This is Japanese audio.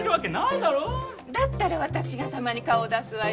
だったらわたくしがたまに顔を出すわよ。